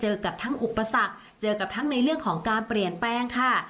กับทั้งอุปสรรคเจอกับทั้งในเรื่องของการเปลี่ยนแปลงค่ะ